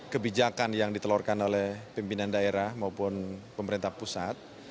kebijakan yang ditelurkan oleh pimpinan daerah maupun pemerintah pusat